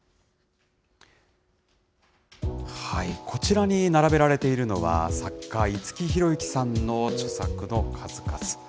こちらに並べられているのは、作家、五木寛之さんの著作の数々。